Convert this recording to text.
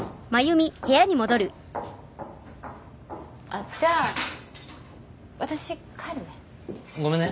あっじゃあ私帰るね。